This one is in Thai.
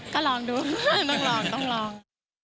ก็ลองดูต้องลอง